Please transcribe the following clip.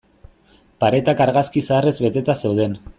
Paretak argazki zaharrez beteta zeuden.